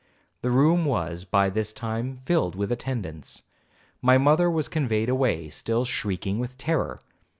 The room was by this time filled with attendants. My mother was conveyed away, still shrieking with terror.